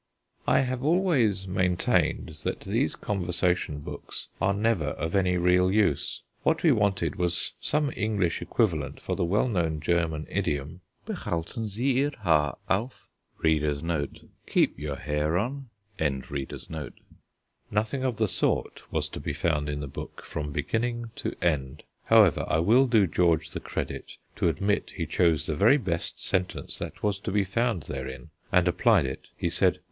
I have always maintained that these conversation books are never of any real use. What we wanted was some English equivalent for the well known German idiom: "Behalten Sie Ihr Haar auf." Nothing of the sort was to be found in the book from beginning to end. However, I will do George the credit to admit he chose the very best sentence that was to be found therein and applied it. He said